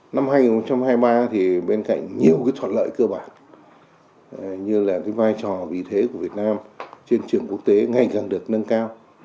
năm hai nghìn hai mươi ba thì bên cạnh nhiều cái thuận lợi cơ bản như là cái vai trò vị thế của việt nam trên trường quốc tế ngày càng được nâng cao